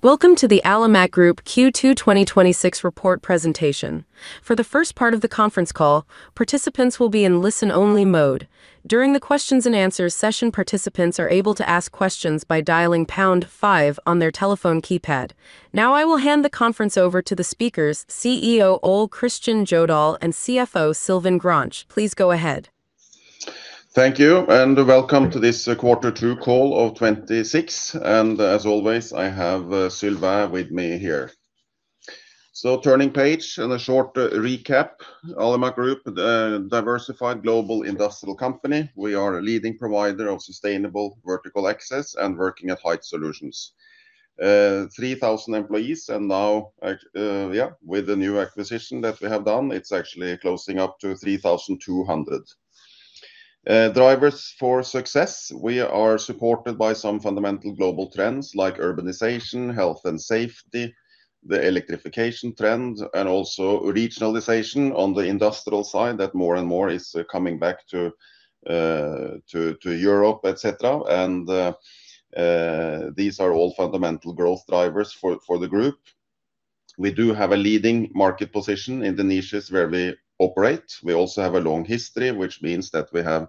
Welcome to the Alimak Group Q2 2026 report presentation. For the first part of the conference call, participants will be in listen-only mode. During the questions-and-answers session, participants are able to ask questions by dialing pound five on their telephone keypad. Now I will hand the conference over to the speakers, CEO Ole Kristian Jødahl and CFO Sylvain Grange. Please go ahead. Thank you. Welcome to this quarter two call of 2026. As always, I have Sylvain with me here. Turning page and a short recap. Alimak Group, a diversified global industrial company. We are a leading provider of sustainable vertical access and working at height solutions. 3,000 employees and now with the new acquisition that we have done, it's actually closing up to 3,200. Drivers for success. We are supported by some fundamental global trends like urbanization, health and safety, the electrification trend, and also regionalization on the Industrial side that more and more is coming back to Europe, et cetera. These are all fundamental growth drivers for the group. We do have a leading market position in the niches where we operate. We also have a long history, which means that we have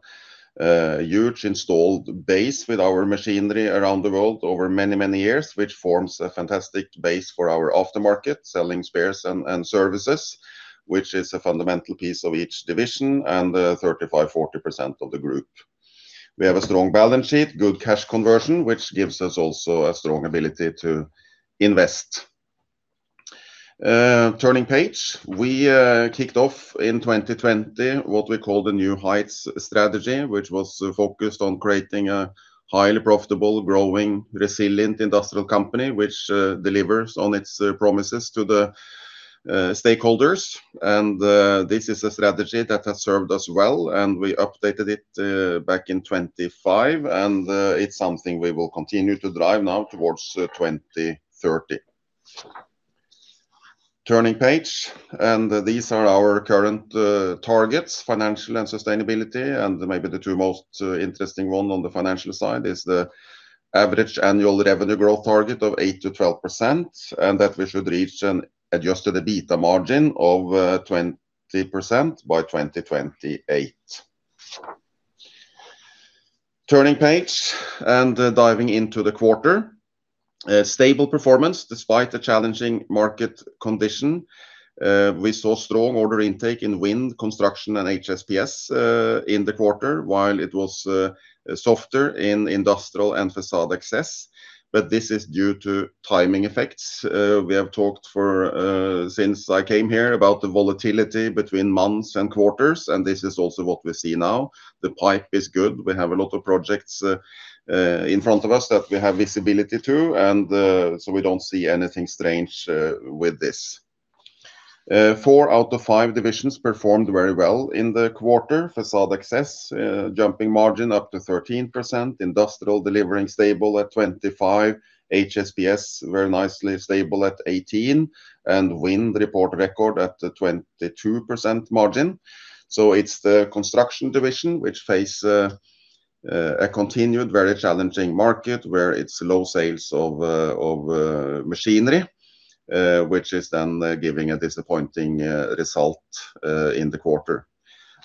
a huge installed base with our machinery around the world over many, many years, which forms a fantastic base for our aftermarket selling spares and services, which is a fundamental piece of each division and 35%-40% of the group. We have a strong balance sheet, good cash conversion, which gives us also a strong ability to invest. Turning page. We kicked off in 2020 what we call the New Heights strategy, which was focused on creating a highly profitable, growing, resilient industrial company, which delivers on its promises to the stakeholders. This is a strategy that has served us well, and we updated it back in 2025. It's something we will continue to drive now towards 2030. Turning page. These are our current targets, financial and sustainability. Maybe the two most interesting one on the financial side is the average annual revenue growth target of 8%-12%, and that we should reach an adjusted EBITA margin of 20% by 2028. Turning page and diving into the quarter. A stable performance despite the challenging market condition. We saw strong order intake in Wind, Construction, and HSPS in the quarter, while it was softer in Industrial and Facade Access. This is due to timing effects. We have talked since I came here about the volatility between months and quarters, and this is also what we see now. The pipe is good. We have a lot of projects in front of us that we have visibility to, and so we don't see anything strange with this. Four out of five divisions performed very well in the quarter. Facade Access, jumping margin up to 13%, Industrial delivering stable at 25%, HSPS very nicely stable at 18%, and Wind report record at 22% margin. It's the Construction division which face a continued very challenging market where it's low sales of machinery, which is then giving a disappointing result in the quarter.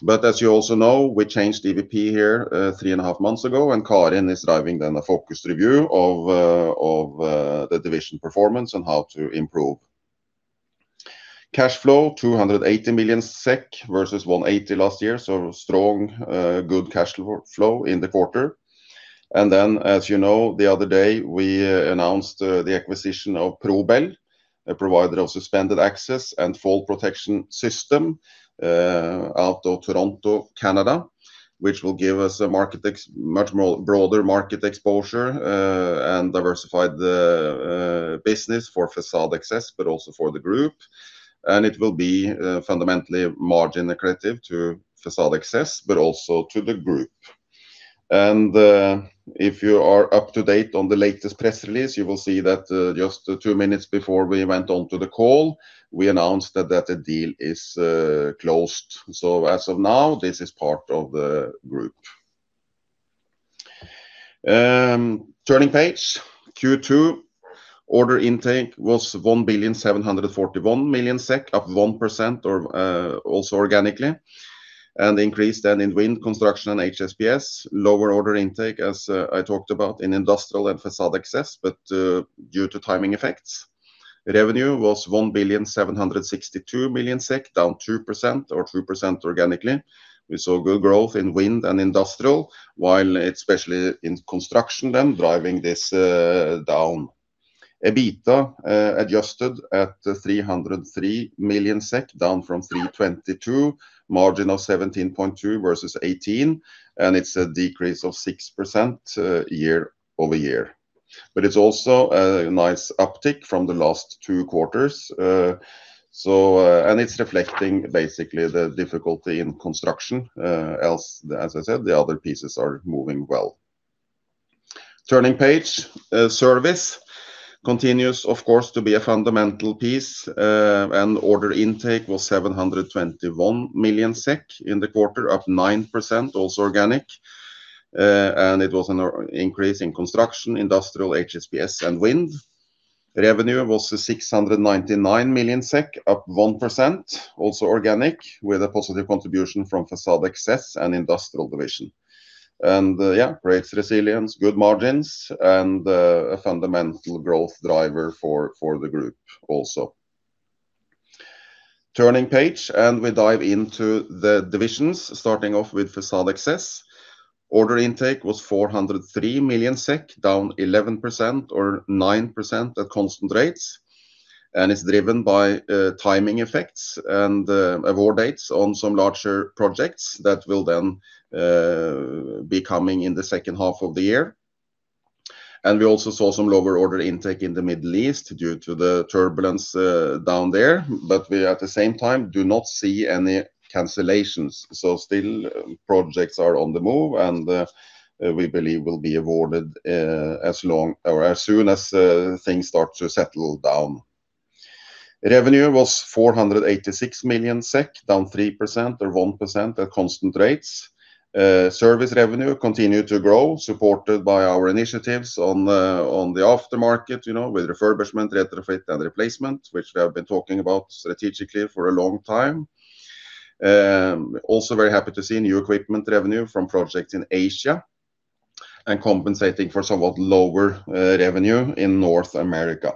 As you also know, we changed EVP here three and a half months ago and Karin is driving then a focused review of the division performance and how to improve. Cash flow 280 million SEK versus 180 last year, strong good cash flow in the quarter. As you know, the other day, we announced the acquisition of Pro-Bel, a provider of suspended access and fall protection system out of Toronto, Canada, which will give us a much more broader market exposure, and diversify the business for Facade Access, but also for the Group. It will be fundamentally margin accretive to Facade Access, but also to the Group. If you are up to date on the latest press release, you will see that just two minutes before we went on to the call, we announced that the deal is closed. As of now, this is part of the Group. Turning page. Q2 order intake was 1.741 billion SEK, up 1% or also organically, increased then in Wind, Construction, and HSPS. Lower order intake, as I talked about in Industrial and Facade Access, but due to timing effects. Revenue was 1.762 billion SEK, down 2% or 2% organically. We saw good growth in Wind and Industrial while especially in Construction then driving this down. EBITA adjusted at 303 million SEK, down from 322 million, margin of 17.2% versus 18%, and it's a decrease of 6% year-over-year. It's also a nice uptick from the last two quarters. It's reflecting basically the difficulty in Construction. As I said, the other pieces are moving well. Turning page. Service continues, of course, to be a fundamental piece. Order intake was 721 million SEK in the quarter, up 9%, also organic. It was an increase in Construction, Industrial, HSPS, and Wind. Revenue was 699 million SEK, up 1%, also organic, with a positive contribution from Facade Access and Industrial division. Great resilience, good margins, and a fundamental growth driver for the Group also. Turning page, we dive into the divisions, starting off with Facade Access. Order intake was 403 million SEK, down 11% or 9% at constant rates. It's driven by timing effects and award dates on some larger projects that will then be coming in the second half of the year. We also saw some lower order intake in the Middle East due to the turbulence down there. We, at the same time, do not see any cancellations. Still, projects are on the move, and we believe will be awarded as soon as things start to settle down. Revenue was 486 million SEK, down 3% or 1% at constant rates. Service revenue continued to grow, supported by our initiatives on the aftermarket, with refurbishment, retrofit, and replacement, which we have been talking about strategically for a long time. Also very happy to see new equipment revenue from projects in Asia and compensating for somewhat lower revenue in North America.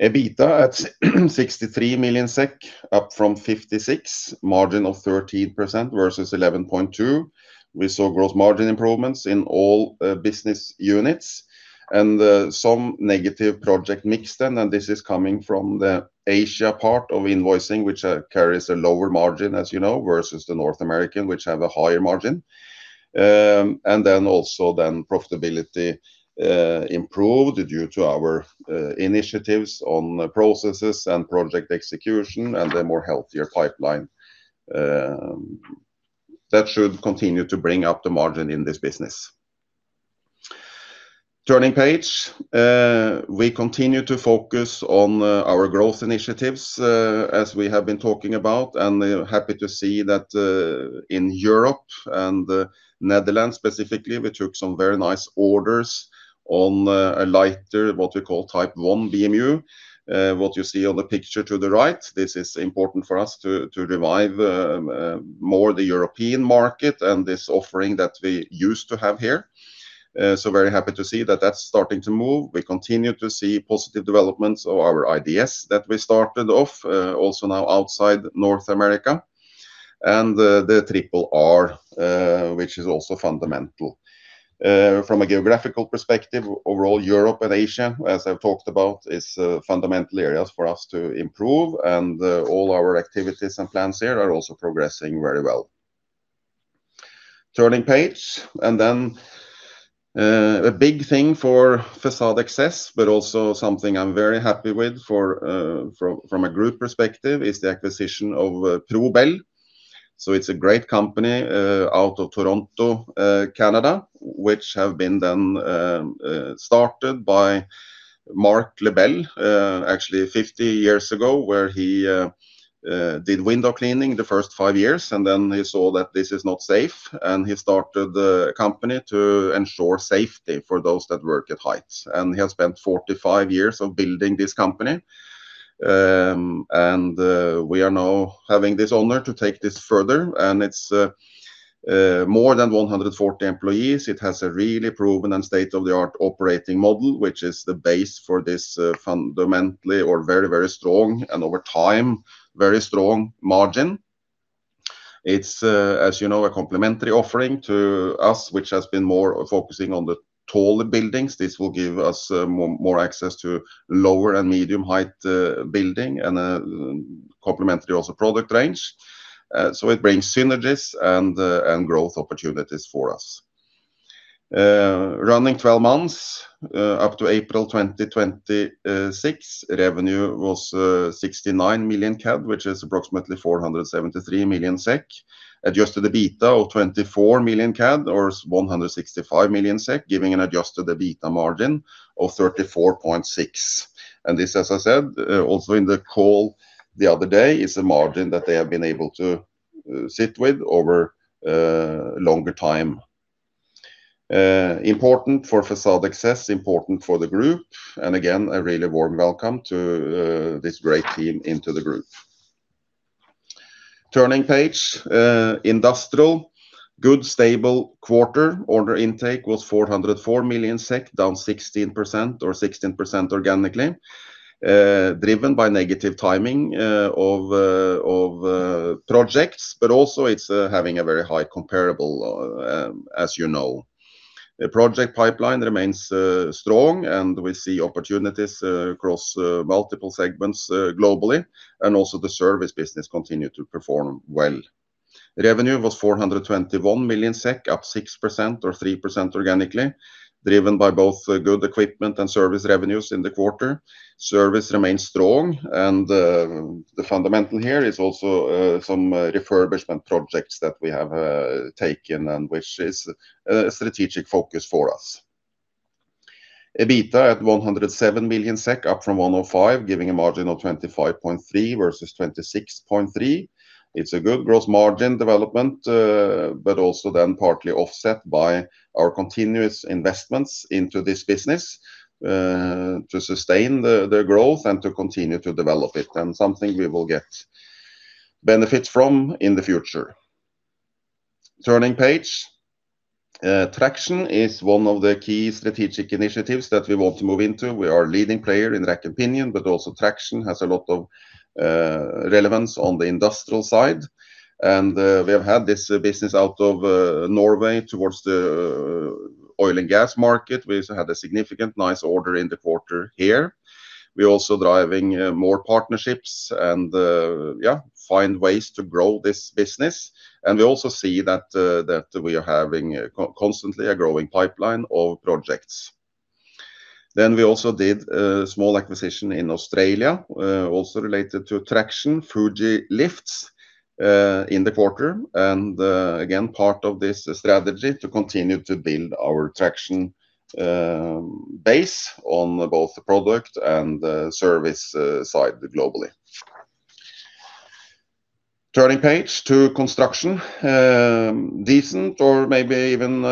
EBITA at 63 million SEK, up from 56 million, margin of 13% versus 11.2%. We saw gross margin improvements in all business units and some negative project mix then, and this is coming from the Asia part of invoicing, which carries a lower margin, as you know, versus the North American, which have a higher margin. Also, profitability improved due to our initiatives on processes and project execution and a more healthier pipeline. That should continue to bring up the margin in this business. Turning page. We continue to focus on our growth initiatives, as we have been talking about, and happy to see that in Europe and the Netherlands specifically, we took some very nice orders on a lighter, what we call Type 1 BMU, what you see on the picture to the right. This is important for us to revive more the European market and this offering that we used to have here. Very happy to see that that's starting to move. We continue to see positive developments of our IDS that we started off, also now outside North America, and the Triple R, which is also fundamental. From a geographical perspective, overall Europe and Asia, as I've talked about, is fundamental areas for us to improve, and all our activities and plans here are also progressing very well. Turning page. A big thing for Facade Access, but also something I'm very happy with from a group perspective is the acquisition of Pro-Bel. It's a great company out of Toronto, Canada, which have been then started by Marc Lebel actually 50 years ago, where he did window cleaning the first five years, and then he saw that this is not safe, and he started the company to ensure safety for those that work at heights. He has spent 45 years of building this company. We are now having this honor to take this further, and it's more than 140 employees. It has a really proven and state-of-the-art operating model, which is the base for this fundamentally or very, very strong and over time, very strong margin. It's, as you know, a complementary offering to us, which has been more focusing on the taller buildings. This will give us more access to lower and medium height building and a complementary also product range. It brings synergies and growth opportunities for us. Running 12 months up to April 2026, revenue was 69 million CAD, which is approximately 473 million SEK. Adjusted EBITA of 24 million CAD or 165 million SEK, giving an adjusted EBITA margin of 34.6%. This, as I said, also in the call the other day, is a margin that they have been able to sit with over a longer time. Important for Facade Access, important for the group. Again, a really warm welcome to this great team into the group. Turning page. Industrial. Good, stable quarter. Order intake was 404 million SEK, down 16% or 16% organically, driven by negative timing of projects, but also it's having a very high comparable as you know. Project pipeline remains strong, and we see opportunities across multiple segments globally, and also the service business continue to perform well. Revenue was 421 million SEK, up 6% or 3% organically, driven by both good equipment and service revenues in the quarter. Service remains strong, and the fundamental here is also some refurbishment projects that we have taken and which is a strategic focus for us. EBITA at 107 million SEK, up from 105 million, giving a margin of 25.3% versus 26.3%. It's a good gross margin development, but also then partly offset by our continuous investments into this business to sustain the growth and to continue to develop it, and something we will get benefits from in the future. Turning page. Traction is one of the key strategic initiatives that we want to move into. We are a leading player in rack and pinion, but also traction has a lot of relevance on the Industrial side. We have had this business out of Norway towards the oil and gas market. We also had a significant nice order in the quarter here. We're also driving more partnerships and find ways to grow this business. We also see that we are having constantly a growing pipeline of projects. We also did a small acquisition in Australia, also related to traction, Fuji Lifts, in the quarter. Again, part of this strategy to continue to build our traction base on both the product and the service side globally. Turning page to Construction. Decent or maybe even,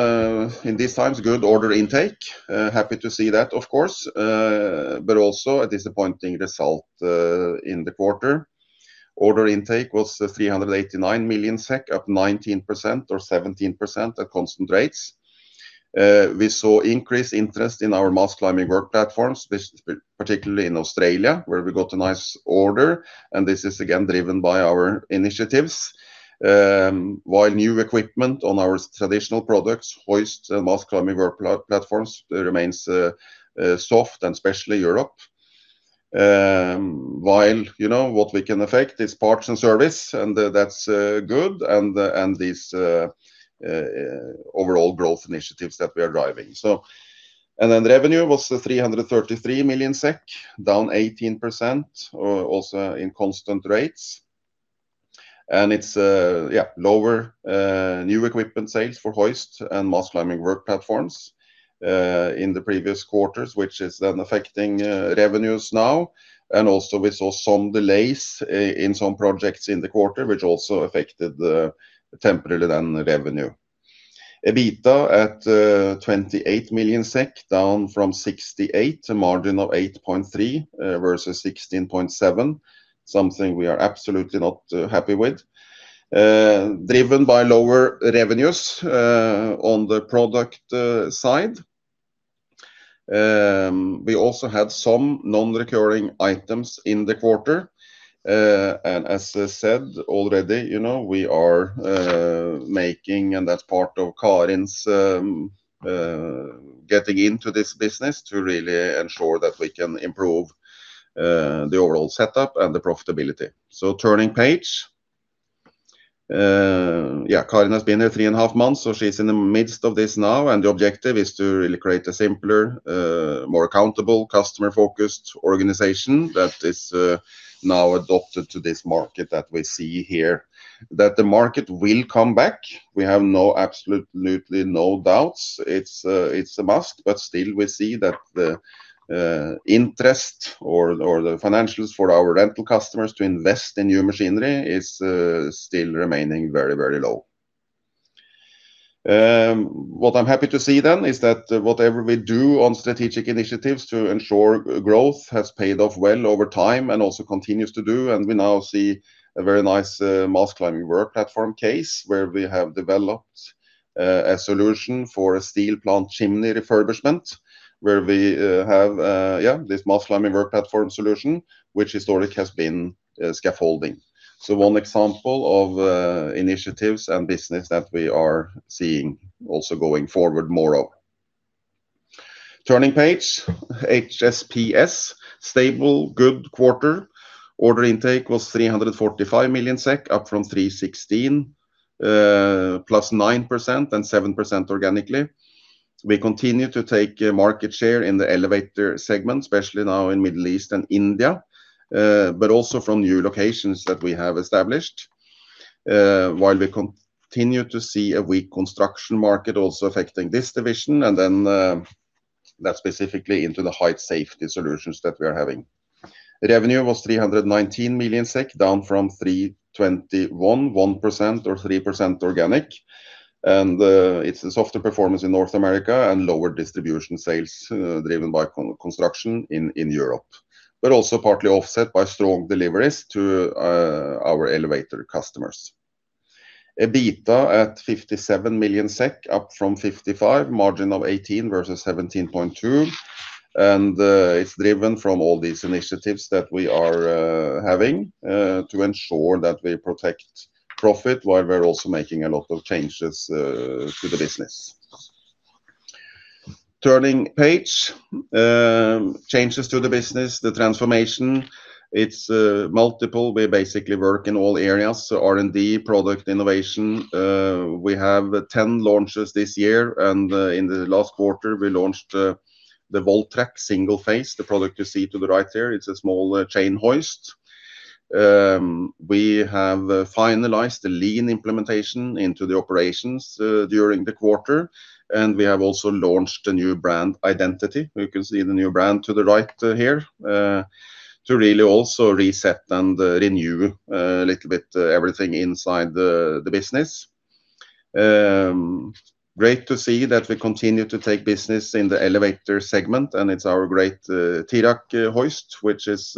in these times, good order intake. Happy to see that, of course, but also a disappointing result in the quarter. Order intake was 389 million SEK, up 19% or 17% at constant rates. We saw increased interest in our mast climbing work platforms, particularly in Australia, where we got a nice order. This is again, driven by our initiatives. While new equipment on our traditional products, hoists and mast climbing work platforms, remains soft and especially Europe. While what we can affect is parts and service, and that's good, and these overall growth initiatives that we are driving. Revenue was 333 million SEK, down 18%, also in constant rates. It's lower new equipment sales for hoists and mast climbing work platforms in the previous quarters, which is then affecting revenues now. We saw some delays in some projects in the quarter, which also affected temporarily then the revenue. EBITA at 28 million SEK, down from 68 million, a margin of 8.3% versus 16.7%, something we are absolutely not happy with. Driven by lower revenues on the product side. We also had some non-recurring items in the quarter. As I said already, we are making, and that's part of Karin's getting into this business to really ensure that we can improve the overall setup and the profitability. Turning page. Karin has been here three and a half months, so she's in the midst of this now, and the objective is to really create a simpler, more accountable, customer-focused organization that is now adopted to this market that we see here. That the market will come back, we have absolutely no doubts. It's a must. Still we see that the interest or the financials for our rental customers to invest in new machinery is still remaining very low. What I'm happy to see then is that whatever we do on strategic initiatives to ensure growth has paid off well over time and also continues to do, and we now see a very nice mast climbing work platform case where we have developed a solution for a steel plant chimney refurbishment, where we have this mast climbing work platform solution, which historically has been scaffolding. One example of initiatives and business that we are seeing also going forward more of. Turning page. HSPS, stable, good quarter. Order intake was 345 million SEK up from 316 million, +9% and 7% organically. We continue to take market share in the elevator segment, especially now in Middle East and India, but also from new locations that we have established. While we continue to see a weak Construction market also affecting this division, then that is specifically into the height safety solutions that we are having. Revenue was 319 million SEK, down from 321 million, 1% or 3% organic. It is a softer performance in North America and lower distribution sales driven by Construction in Europe, but also partly offset by strong deliveries to our elevator customers. EBITA at 57 million SEK, up from 55 million, margin of 18% versus 17.2%. It is driven from all these initiatives that we are having to ensure that we protect profit while we are also making a lot of changes to the business. Turning page. Changes to the business, the transformation, it is multiple. We basically work in all areas. R&D, product innovation. We have 10 launches this year. In the last quarter, we launched the Volt Trac Single Phase, the product you see to the right here. It is a small chain hoist. We have finalized the lean implementation into the operations during the quarter. We have also launched a new brand identity. You can see the new brand to the right here, to really also reset and renew a little bit everything inside the business. Great to see that we continue to take business in the elevator segment. It is our great Tirak hoist, which is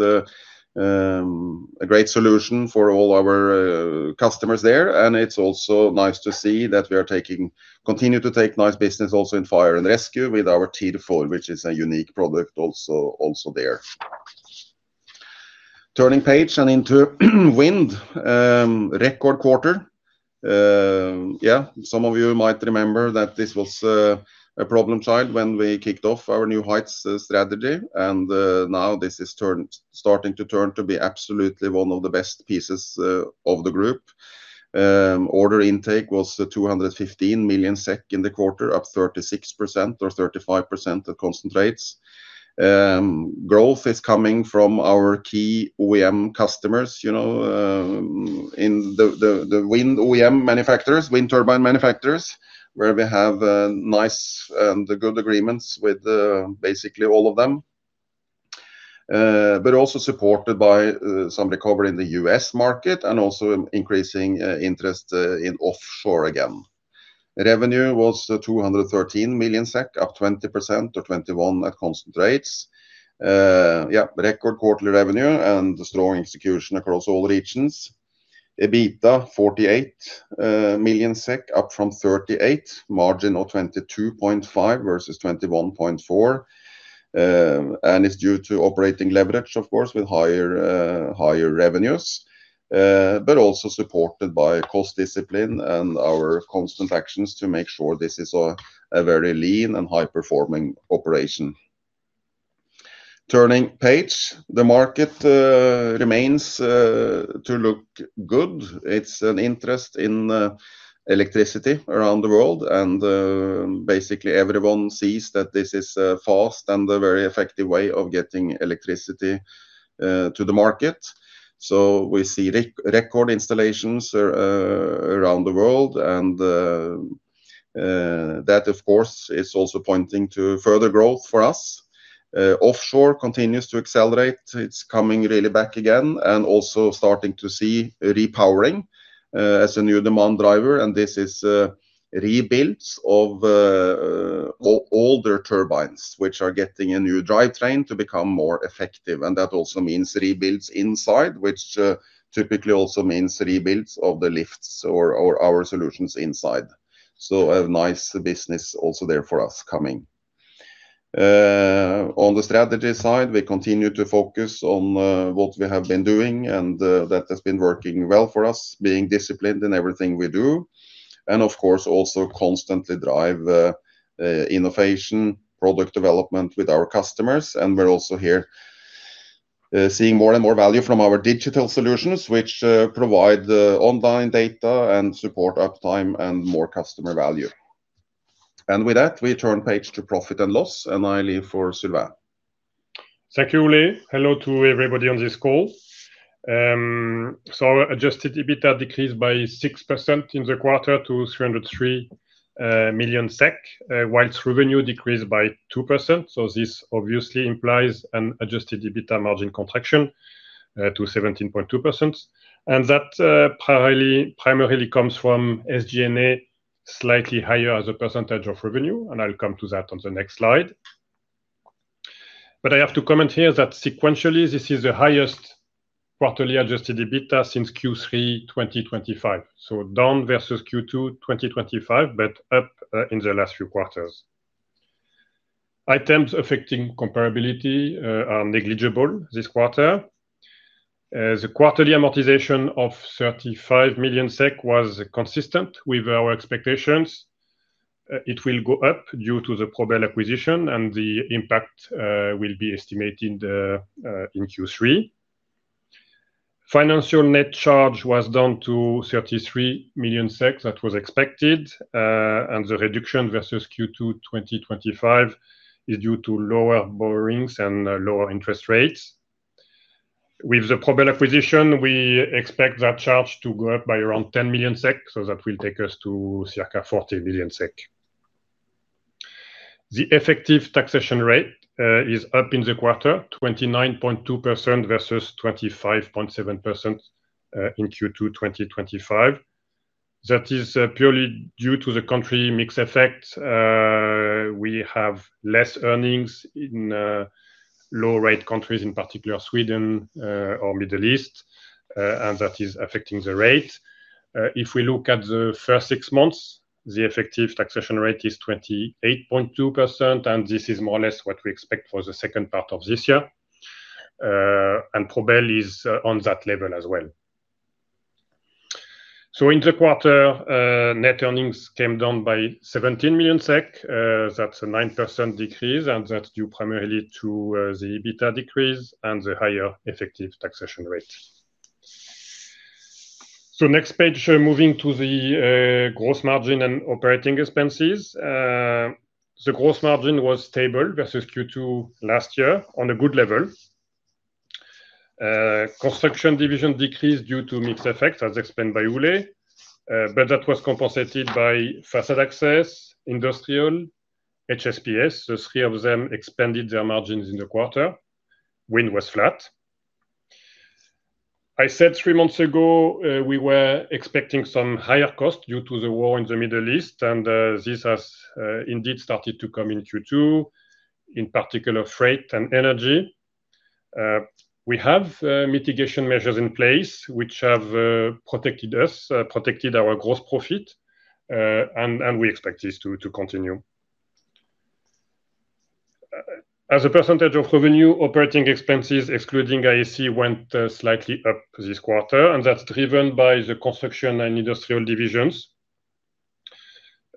a great solution for all our customers there. It is also nice to see that we continue to take nice business also in fire and rescue with our T-4, which is a unique product also there. Turning page and into Wind. Record quarter. Some of you might remember that this was a problem child when we kicked off our New Heights strategy. Now this is starting to turn to be absolutely one of the best pieces of the group. Order intake was 215 million SEK in the quarter, up 36% or 35% at constant rates. Growth is coming from our key OEM customers, the Wind OEM manufacturers, wind turbine manufacturers, where we have nice and good agreements with basically all of them. Also supported by some recovery in the U.S. market and also increasing interest in offshore again. Revenue was 213 million SEK, up 20% or 21% at constant rates. Record quarterly revenue and strong execution across all regions. EBITA 48 million SEK, up from 38, margin of 22.5% versus 21.4%. It is due to operating leverage, of course, with higher revenues, but also supported by cost discipline and our constant actions to make sure this is a very lean and high-performing operation. Turning page. The market remains to look good. It is an interest in electricity around the world. Basically everyone sees that this is a fast and a very effective way of getting electricity to the market. We see record installations around the world, that of course, is also pointing to further growth for us. Offshore continues to accelerate. It is coming really back again and also starting to see repowering as a new demand driver. This is rebuilds of older turbines, which are getting a new drivetrain to become more effective. That also means rebuilds inside, which typically also means rebuilds of the lifts or our solutions inside. A nice business also there for us coming. On the strategy side, we continue to focus on what we have been doing, and that has been working well for us, being disciplined in everything we do. Of course, also constantly drive innovation, product development with our customers. We are also here seeing more and more value from our digital solutions, which provide online data and support uptime and more customer value. With that, we turn page to profit and loss, I leave for Sylvain. Thank you, Ole. Hello to everybody on this call. Our adjusted EBITA decreased by 6% in the quarter to 303 million SEK, whilst revenue decreased by 2%. This obviously implies an adjusted EBITA margin contraction to 17.2%. That primarily comes from SG&A slightly higher as a percentage of revenue, and I will come to that on the next slide. I have to comment here that sequentially, this is the highest quarterly adjusted EBITA since Q3 2025. Down versus Q2 2025, but up in the last few quarters. Items affecting comparability are negligible this quarter. The quarterly amortization of 35 million SEK was consistent with our expectations. It will go up due to the Pro-Bel acquisition, and the impact will be estimated in Q3. Financial net charge was down to 33 million. That was expected. The reduction versus Q2 2025 is due to lower borrowings and lower interest rates. With the Pro-Bel acquisition, we expect that charge to go up by around 10 million SEK, so that will take us to circa 40 million SEK. The effective taxation rate is up in the quarter 29.2% versus 25.7% in Q2 2025. That is purely due to the country mix effect. We have less earnings in low-rate countries, in particular Sweden or Middle East, and that is affecting the rate. If we look at the first six months, the effective taxation rate is 28.2%, and this is more or less what we expect for the second part of this year. Pro-Bel is on that level as well. In the quarter, net earnings came down by 17 million SEK. That is a 9% decrease, and that is due primarily to the EBITA decrease and the higher effective taxation rate. Next page showing moving to the gross margin and operating expenses. The gross margin was stable versus Q2 last year on a good level. Construction division decreased due to mix effect, as explained by Ole. That was compensated by Facade Access, Industrial, HSPS. Three of them expanded their margins in the quarter. Wind was flat. I said three months ago we were expecting some higher cost due to the war in the Middle East, and this has indeed started to come in Q2, in particular freight and energy. We have mitigation measures in place which have protected us, protected our gross profit, and we expect this to continue. As a percentage of revenue, operating expenses excluding IAC went slightly up this quarter. That's driven by the Construction and Industrial divisions.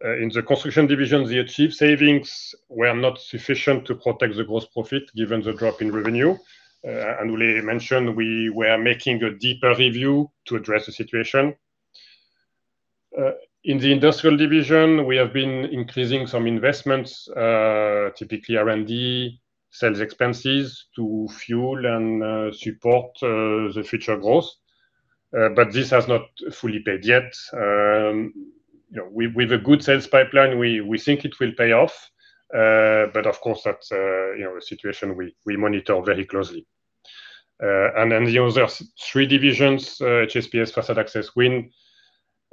In the Construction division, the achieved savings were not sufficient to protect the gross profit given the drop in revenue. Ole mentioned we were making a deeper review to address the situation. In the Industrial division, we have been increasing some investments, typically R&D, sales expenses to fuel and support the future growth. This has not fully paid yet. With a good sales pipeline, we think it will pay off. Of course, that's a situation we monitor very closely. The other three divisions, HSPS, Facade Access, Wind,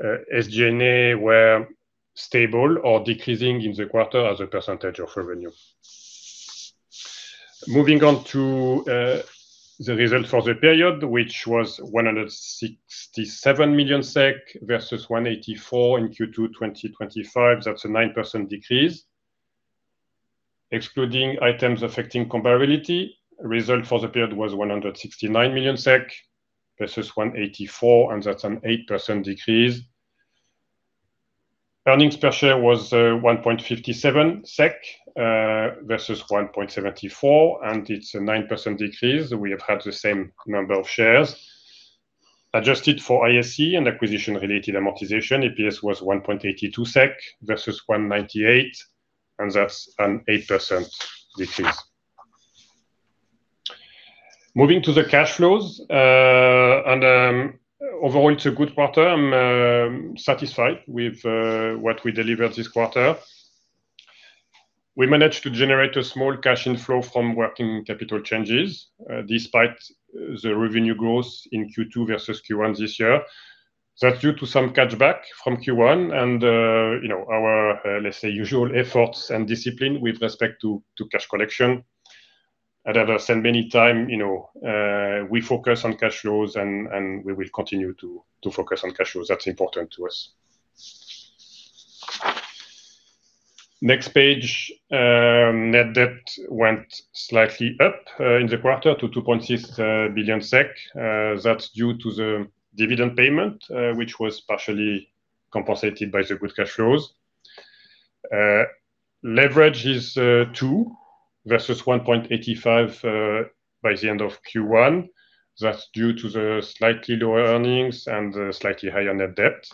SG&A were stable or decreasing in the quarter as a percentage of revenue. Moving on to the result for the period, which was 167 million SEK versus 184 million in Q2 2025. That's a 9% decrease. Excluding items affecting comparability, result for the period was 169 million SEK versus 184 million. That's an 8% decrease. Earnings per share was 1.57 SEK versus 1.74. It's a 9% decrease. We have had the same number of shares. Adjusted for IAC and acquisition-related amortization, EPS was 1.82 SEK versus 1.98. That's an 8% decrease. Moving to the cash flows. Overall it's a good quarter. I'm satisfied with what we delivered this quarter. We managed to generate a small cash inflow from working capital changes despite the revenue growth in Q2 versus Q1 this year. That's due to some catch back from Q1 and our, let's say, usual efforts and discipline with respect to cash collection. I'd rather spend many time, we focus on cash flows and we will continue to focus on cash flows. That's important to us. Next page. Net debt went slightly up in the quarter to 2.6 billion SEK. That's due to the dividend payment, which was partially compensated by the good cash flows. Leverage is 2 versus 1.85 by the end of Q1. That's due to the slightly lower earnings and slightly higher net debt.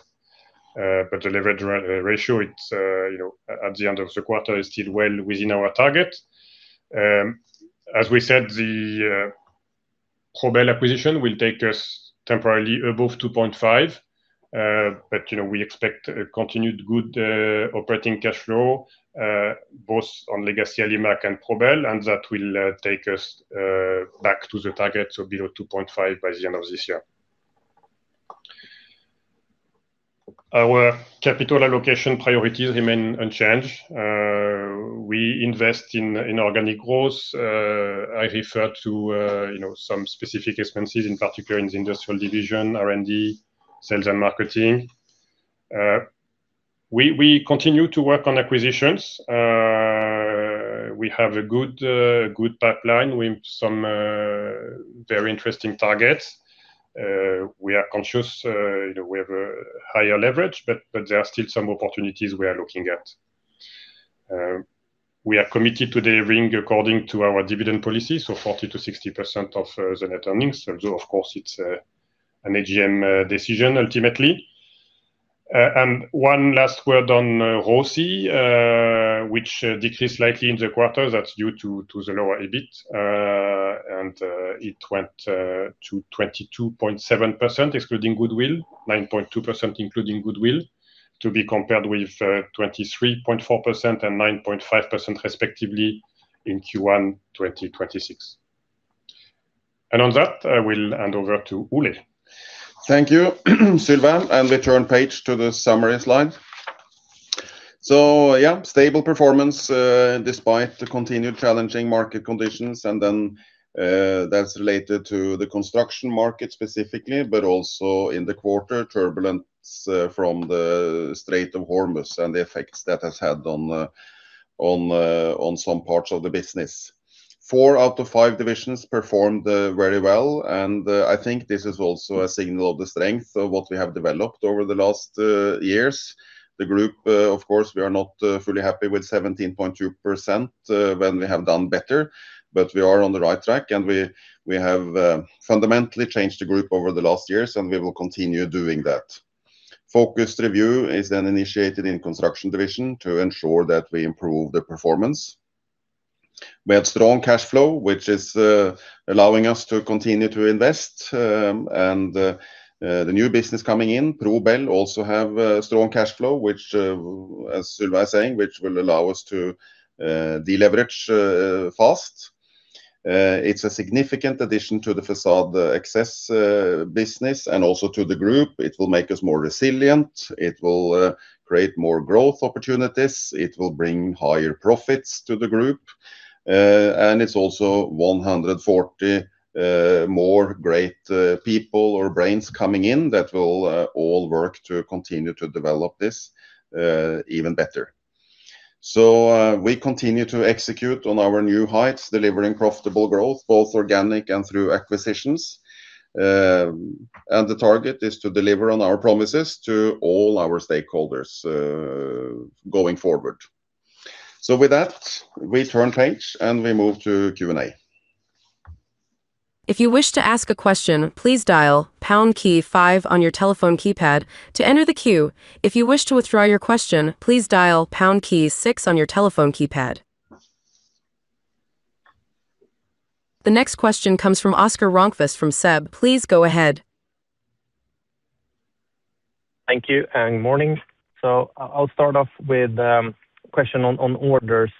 The leverage ratio at the end of the quarter is still well within our target. As we said, the Pro-Bel acquisition will take us temporarily above 2.5. We expect a continued good operating cash flow, both on legacy Alimak and Pro-Bel, and that will take us back to the target, so below 2.5 by the end of this year. Our capital allocation priorities remain unchanged. We invest in organic growth. I refer to some specific expenses, in particular in the Industrial division, R&D, sales and marketing. We continue to work on acquisitions. We have a good pipeline with some very interesting targets. We are conscious we have a higher leverage, there are still some opportunities we are looking at. We are committed to delivering according to our dividend policy, so 40%-60% of the net earnings. Of course, it's an AGM decision ultimately. One last word on ROCE, which decreased slightly in the quarter. That's due to the lower EBIT. It went to 22.7% excluding goodwill, 9.2% including goodwill, to be compared with 23.4% and 9.5% respectively in Q1 2026. On that, I will hand over to Ole. Thank you, Sylvain. We turn page to the summary slide. Stable performance despite the continued challenging market conditions, and that's related to the Construction market specifically, but also in the quarter turbulence from the Strait of Hormuz and the effects that has had on some parts of the business. Four out of five divisions performed very well, and I think this is also a signal of the strength of what we have developed over the last years. The Group, of course, we are not fully happy with 17.2% when we have done better, but we are on the right track and we have fundamentally changed the group over the last years, and we will continue doing that. Focused review is initiated in Construction Division to ensure that we improve the performance. We have strong cash flow, which is allowing us to continue to invest. The new business coming in, Pro-Bel, also have strong cash flow, which as Sylvain is saying, which will allow us to de-leverage fast. It's a significant addition to the Facade Access business and also to the group. It will make us more resilient. It will create more growth opportunities. It will bring higher profits to the group. It's also 140 more great people or brains coming in that will all work to continue to develop this even better. We continue to execute on our New Heights, delivering profitable growth, both organic and through acquisitions. The target is to deliver on our promises to all our stakeholders going forward. With that, we turn page, and we move to Q&A. If you wish to ask a question, please dial pound key five on your telephone keypad to enter the queue. If you wish to withdraw your question, please dial pound key six on your telephone keypad. The next question comes from Oscar Rönnkvist from SEB. Please go ahead. Thank you and morning. I'll start off with a question on orders.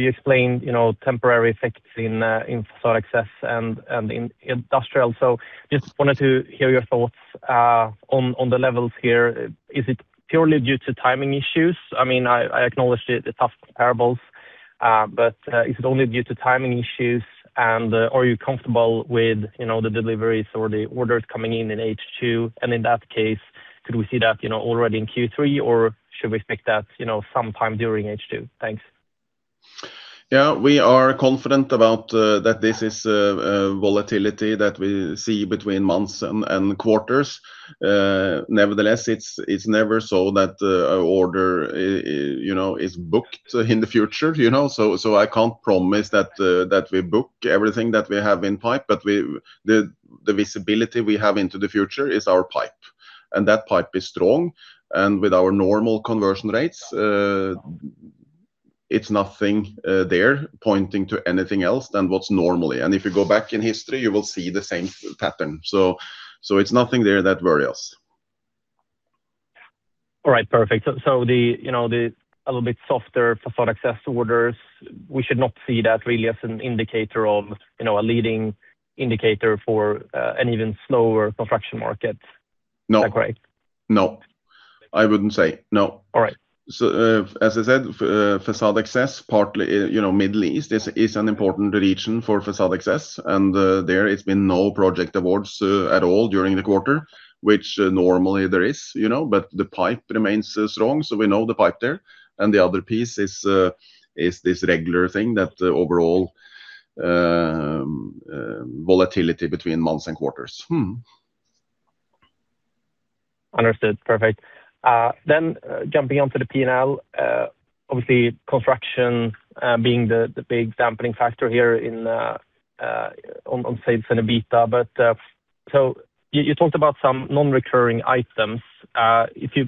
You explained temporary effects in Facade Access and in Industrial. Just wanted to hear your thoughts on the levels here. Is it purely due to timing issues? I mean, I acknowledge the tough comparables, but is it only due to timing issues? Are you comfortable with the deliveries or the orders coming in in H2? In that case, could we see that already in Q3, or should we expect that sometime during H2? Thanks. We are confident about that this is volatility that we see between months and quarters. Nevertheless, it's never so that order is booked in the future. I can't promise that we book everything that we have in pipe, but the visibility we have into the future is our pipe. That pipe is strong. With our normal conversion rates, it's nothing there pointing to anything else than what's normally. If you go back in history, you will see the same pattern. It's nothing there that worries. All right, perfect. The little bit softer Facade Access orders, we should not see that really as a leading indicator for an even slower Construction market. No. Is that correct? No. I wouldn't say. No. All right. As I said, Facade Access, partly Middle East is an important region for Facade Access. There it's been no project awards at all during the quarter, which normally there is. The pipe remains strong, so we know the pipe there. The other piece is this regular thing that overall volatility between months and quarters. Understood. Perfect. Jumping onto the P&L, obviously Construction being the big dampening factor here on sales and EBITA. You talked about some non-recurring items. If you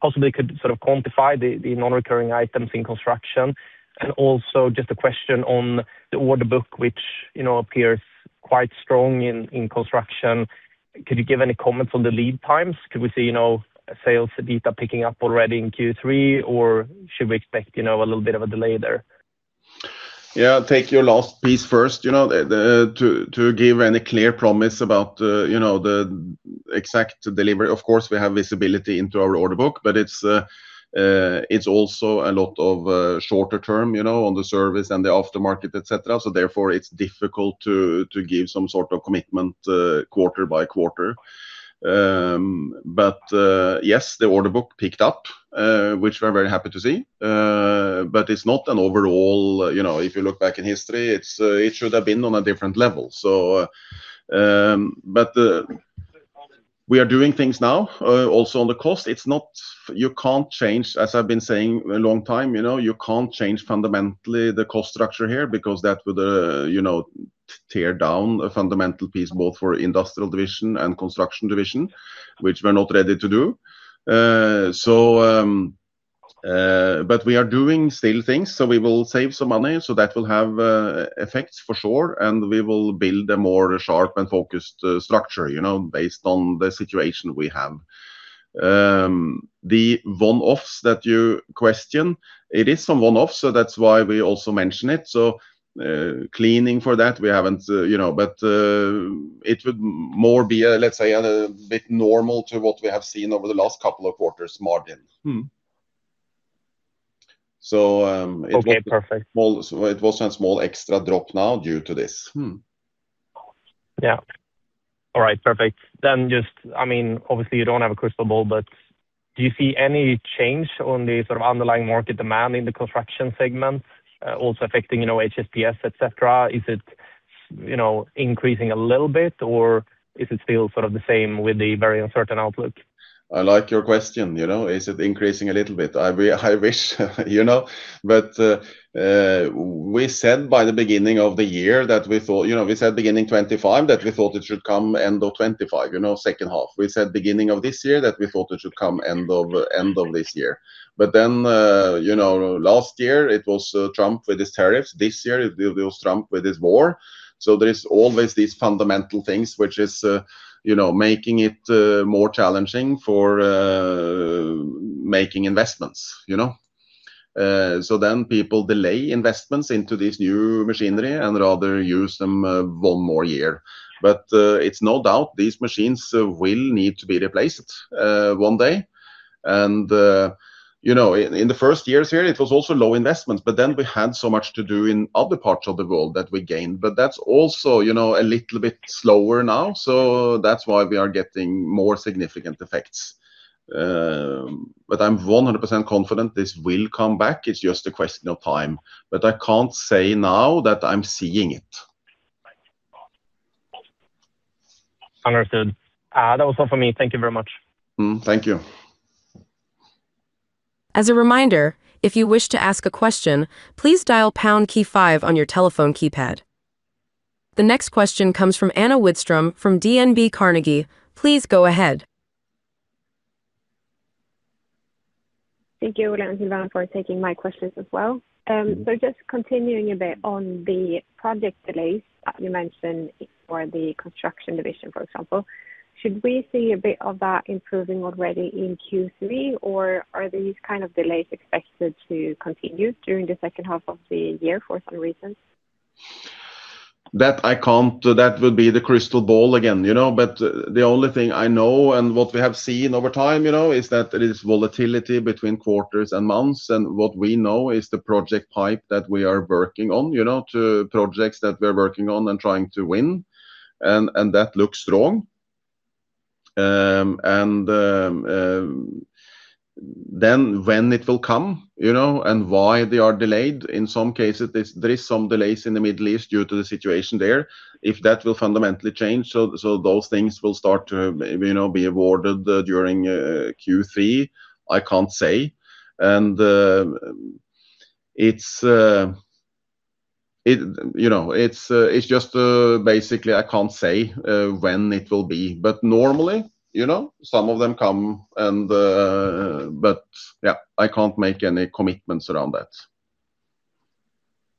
possibly could quantify the non-recurring items in Construction, and also just a question on the order book, which appears quite strong in Construction. Could you give any comments on the lead times? Could we see sales EBITA picking up already in Q3, or should we expect a little bit of a delay there? Yeah. Take your last piece first. To give any clear promise about the exact delivery, of course we have visibility into our order book, but it's also a lot of shorter-term, on the service and the off the market, et cetera. Therefore, it's difficult to give some sort of commitment quarter-by-quarter. Yes, the order book picked up, which we're very happy to see. It's not an overall, if you look back in history, it should have been on a different level. We are doing things now also on the cost. You can't change, as I've been saying a long time, you can't change fundamentally the cost structure here because that would tear down a fundamental piece both for Industrial division and Construction division, which we're not ready to do. We are doing still things, so we will save some money. That will have effects for sure. We will build a more sharp and focused structure based on the situation we have. The one-offs that you question, it is some one-off, so that is why we also mention it. Cleaning for that, but it would more be, let's say, a bit normal to what we have seen over the last couple of quarters margin. Okay, perfect. It was a small extra drop now due to this. All right, perfect. Just, obviously you do not have a crystal ball, but do you see any change on the underlying market demand in the Construction segment also affecting HSPS, et cetera? Is it increasing a little bit, or is it still the same with the very uncertain outlook? I like your question. Is it increasing a little bit? I wish. We said by the beginning of the year that we said beginning 2025 that we thought it should come end of 2025, second half. We said beginning of this year that we thought it should come end of this year. Last year it was Trump with his tariffs. This year it was Trump with his war. There is always these fundamental things, which is making it more challenging for making investments. People delay investments into this new machinery and rather use them one more year. It's no doubt these machines will need to be replaced one day. In the first years here, it was also low investments, but then we had so much to do in other parts of the world that we gained. That's also a little bit slower now. That's why we are getting more significant effects. I'm 100% confident this will come back. It's just a question of time. I can't say now that I'm seeing it. Understood. That was all for me. Thank you very much. Thank you. As a reminder, if you wish to ask a question, please dial pound key five on your telephone keypad. The next question comes from Anna Widström from DNB Carnegie. Please go ahead. Thank you, Ole and Sylvain, for taking my questions as well. Just continuing a bit on the project delays that you mentioned for the Construction Division, for example. Should we see a bit of that improving already in Q3, or are these kind of delays expected to continue during the second half of the year for some reason? That would be the crystal ball again. The only thing I know and what we have seen over time, is that there is volatility between quarters and months. What we know is the project pipe that we are working on, projects that we're working on and trying to win, and that looks strong. Then when it will come and why they are delayed, in some cases, there is some delays in the Middle East due to the situation there. If that will fundamentally change, those things will start to be awarded during Q3, I can't say. Basically, I can't say when it will be, but normally, some of them come. I can't make any commitments around that.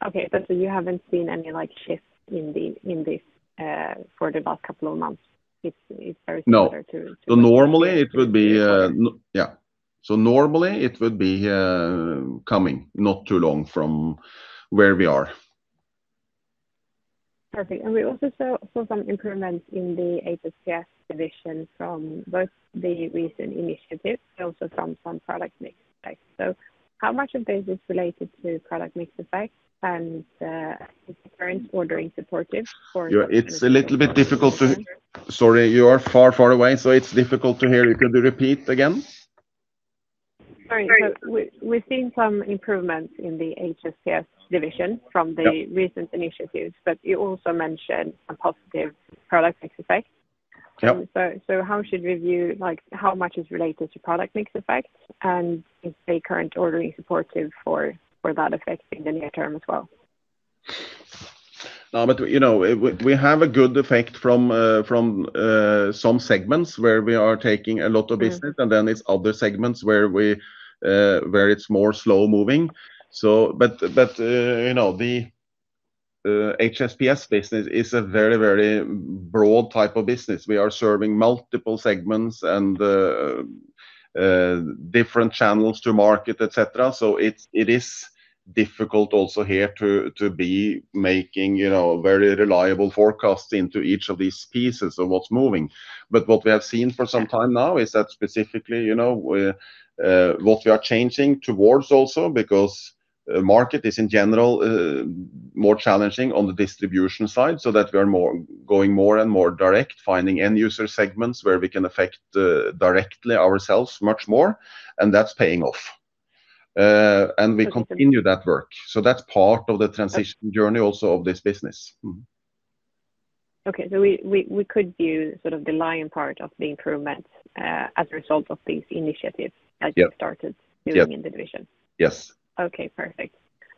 Okay. You haven't seen any shifts in this for the last couple of months? It's very similar to No. Normally it would be coming not too long from where we are. Perfect. We also saw some improvements in the HSPS division from both the recent initiatives and also from some product mix effects. How much of this is related to product mix effects and is the current ordering supportive for It's a little bit. Sorry, you are far, far away, so it's difficult to hear you. Could you repeat again? Sorry. We've seen some improvements in the HSPS division from the recent initiatives, but you also mentioned a positive product mix effect. Yep. How should we view how much is related to product mix effects, and is the current ordering supportive for that effect in the near-term as well? We have a good effect from some segments where we are taking a lot of business, then it's other segments where it's more slow-moving. The HSPS business is a very broad type of business. We are serving multiple segments and different channels to market, et cetera. It is difficult also here to be making very reliable forecasts into each of these pieces of what's moving. What we have seen for some time now is that specifically, what we are changing towards also, because market is in general more challenging on the distribution side, that we are going more and more direct, finding end-user segments where we can affect directly ourselves much more, and that's paying off. We continue that work. That's part of the transition journey also of this business. Okay. We could view the lion part of the improvements as a result of these initiatives that you've started doing in the division. Yes. Okay, perfect.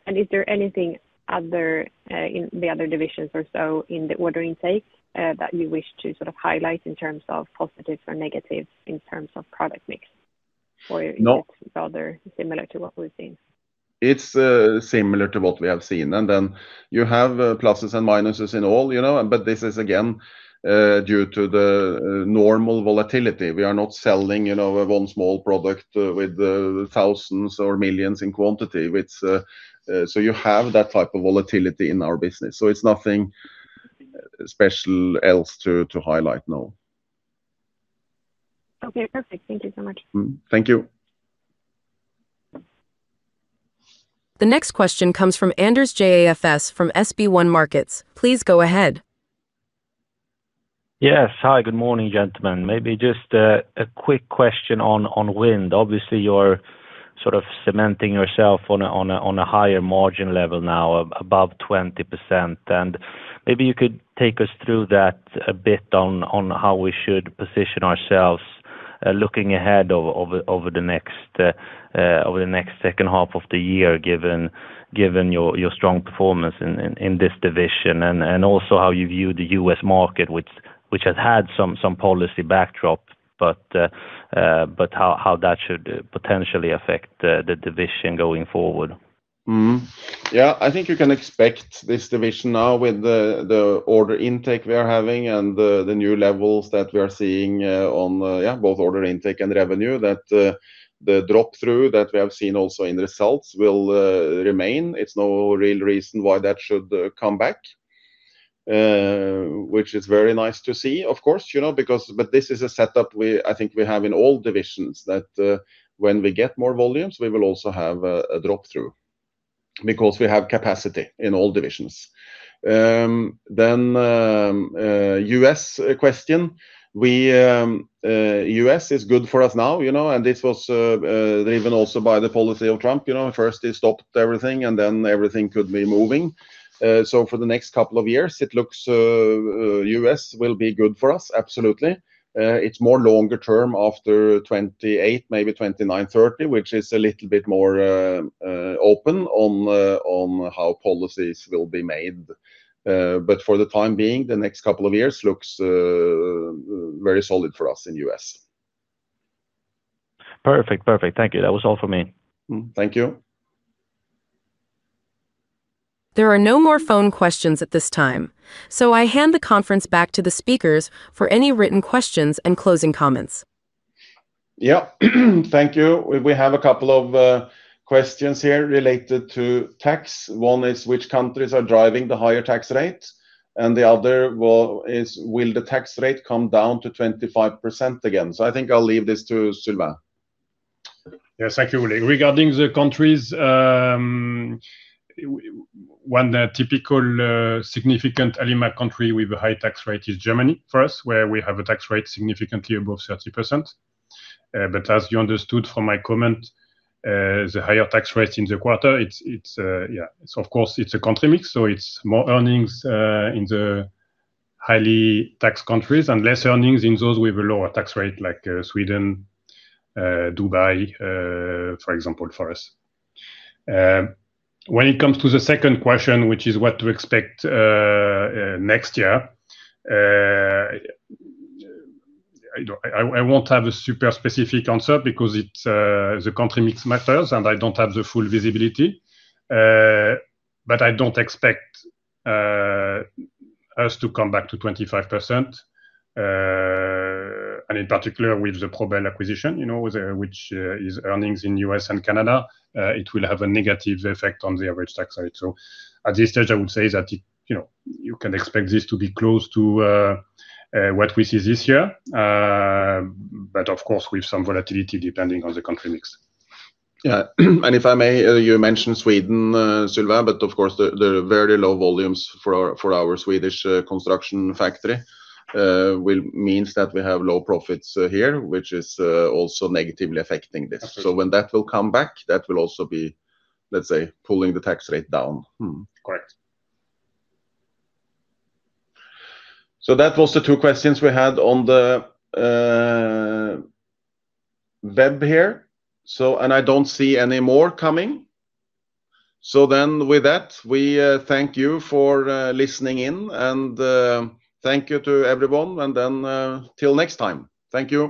Is there anything in the other divisions or so in the order intake that you wish to highlight in terms of positive or negative in terms of product mix? No It's rather similar to what we've seen? It's similar to what we have seen. You have pluses and minuses in all. This is, again, due to the normal volatility. We are not selling one small product with thousands or millions in quantity. You have that type of volatility in our business, so it's nothing special else to highlight, no. Okay, perfect. Thank you so much. Thank you. The next question comes from Anders Jåfs from SB1 Markets. Please go ahead. Yes. Hi, good morning, gentlemen. Maybe just a quick question on Wind. Obviously, you're sort of cementing yourself on a higher margin level now of above 20%. Maybe you could take us through that a bit on how we should position ourselves looking ahead over the next second half of the year, given your strong performance in this division, also how you view the U.S. market which has had some policy backdrop, how that should potentially affect the division going forward. I think you can expect this division now with the order intake we are having and the new levels that we are seeing on both order intake and revenue that the drop-through that we have seen also in results will remain. It's no real reason why that should come back, which is very nice to see, of course. This is a setup I think we have in all divisions that when we get more volumes, we will also have a drop-through because we have capacity in all divisions. U.S. question. U.S. is good for us now. This was driven also by the policy of Trump. First they stopped everything. Then everything could be moving. For the next couple of years, it looks U.S. will be good for us, absolutely. It's more longer-term after 2028, maybe 2029, 2030, which is a little bit more open on how policies will be made. For the time being, the next couple of years looks very solid for us in U.S. Perfect. Thank you. That was all for me. Thank you. There are no more phone questions at this time, so I hand the conference back to the speakers for any written questions and closing comments. Yeah. Thank you. We have a couple of questions here related to tax. One is which countries are driving the higher tax rate, and the other is, will the tax rate come down to 25% again? I think I'll leave this to Sylvain. Yes, thank you, Ole. Regarding the countries, one typical significant Alimak Group country with a high tax rate is Germany first, where we have a tax rate significantly above 30%. As you understood from my comment, the higher tax rate in the quarter, of course, it is a country mix, so it is more earnings in the highly taxed countries and less earnings in those with a lower tax rate like Sweden, Dubai, for example, for us. When it comes to the second question, which is what to expect next year, I will not have a super specific answer because the country mix matters and I do not have the full visibility. I do not expect us to come back to 25%, and in particular with the Pro-Bel acquisition which is earnings in U.S. and Canada, it will have a negative effect on the average tax rate. At this stage, I would say that you can expect this to be close to what we see this year, but of course, with some volatility depending on the country mix. If I may, you mentioned Sweden, Sylvain, but of course the very low volumes for our Swedish construction factory means that we have low profits here, which is also negatively affecting this. When that will come back, that will also be, let us say, pulling the tax rate down. Correct. That was the two questions we had on the web here. I do not see any more coming. With that, we thank you for listening in. Thank you to everyone. Till next time. Thank you.